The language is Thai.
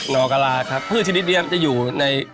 นอกลาครับเพื่อชีวิตนี้จะอยู่ใน